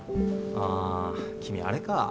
あ君あれか。